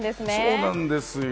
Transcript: そうなんですよ。